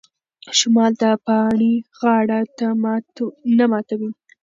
شمال د پاڼې غاړه نه ماتوي.